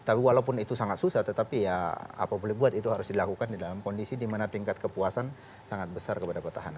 tapi walaupun itu sangat susah tetapi apapun yang dibuat itu harus dilakukan di dalam kondisi dimana tingkat kepuasan sangat besar kepada pertahanan